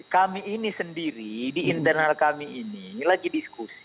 kami ini sendiri di internal kami ini lagi diskusi